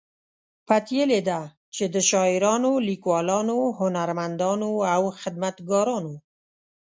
پتیلې ده چې د شاعرانو، لیکوالو، هنرمندانو او خدمتګارانو